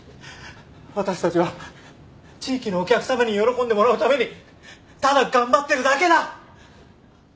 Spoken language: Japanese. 私たちは地域のお客さまに喜んでもらうためにただ頑張ってるだけだ。